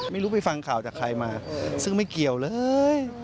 ไม่รู้ไปฟังข่าวจากใครมาซึ่งไม่เกี่ยวเลย